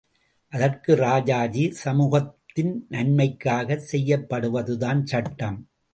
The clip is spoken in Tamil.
அதற்கு ராஜாஜி சமூகத்தின் நன்மைக்காகச் செய்யப்படுவதுதான் சட்டம்.